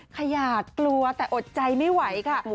ขยาดกลัวแต่อดใจไม่ไหวค่ะ